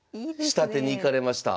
仕立てに行かれました。